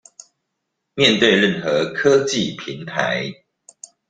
面對任何科技平台